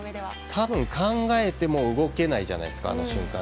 多分、考えても動けないじゃないですかあの瞬間。